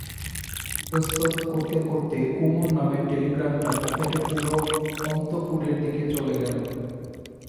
ইতস্তত করতে করতে কুমুর নামের টেলিগ্রামটা পকেটে পুরে অন্তঃপুরের দিকে চলে গেল।